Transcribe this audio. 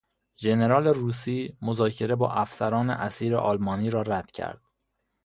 ژنرال روسی مذاکره با افسران اسیر آلمانی را رد کرد.